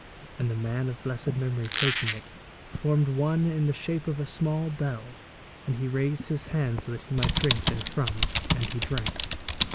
And the man of blessed memory taking it, formed one in the shape of a small bell, and he raised his hand so that he might drink therefrom, and he drank.